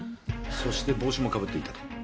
そして帽子もかぶっていたと。